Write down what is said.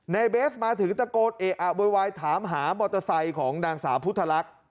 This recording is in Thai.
เบสมาถึงตะโกนเอะอะโวยวายถามหามอเตอร์ไซค์ของนางสาวพุทธลักษณ์